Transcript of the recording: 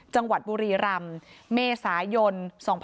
จังหวัดบุรีรำเมษายน๒๕๖๒